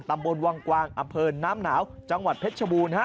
ตำบลวังกวางอำเภอน้ำหนาวจังหวัดเพชรชบูรณ